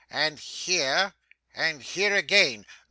And here. And here again.